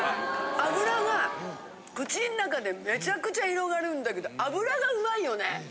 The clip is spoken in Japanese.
油が口ん中でめちゃくちゃ広がるんだけど油がうまいよね。